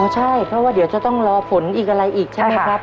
ใช่เพราะว่าเดี๋ยวจะต้องรอฝนอีกอะไรอีกใช่ไหมครับ